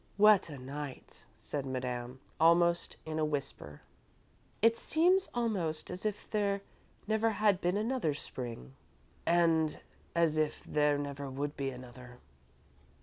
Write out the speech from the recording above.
"What a night," said Madame, almost in a whisper. "It seems almost as if there never had been another Spring." "And as if there never would be another."